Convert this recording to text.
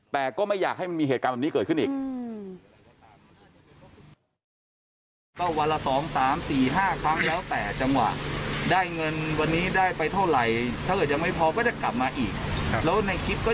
แต่ก็ไม่อยากให้มันมีเหตุการณ์แบบนี้เกิดขึ้นอีก